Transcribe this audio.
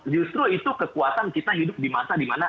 justru itu kekuatan kita hidup di masa dimana